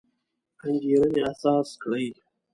انګېرنې اساس کړی.